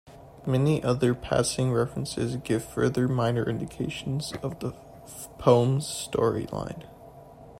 Many other passing references give further minor indications of the poem's storyline.